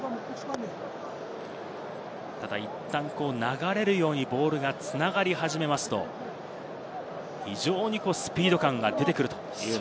ただ、いったん流れるようにボールが繋がり始めますと、非常にスピード感が出てくる。